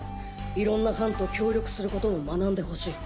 いろんな班と協力することも学んでほしい。